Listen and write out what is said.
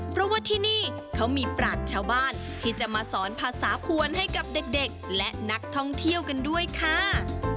เพราะว่าที่นี่เขามีปราศชาวบ้านที่จะมาสอนภาษาควรให้กับเด็กและนักท่องเที่ยวกันด้วยค่ะ